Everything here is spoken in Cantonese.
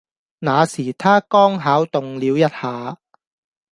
那時她剛巧動了一下